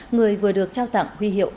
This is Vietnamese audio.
người vừa được trao tặng huy hiệu